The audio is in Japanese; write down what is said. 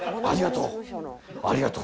ありがとう。